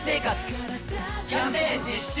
キャンペーン実施中！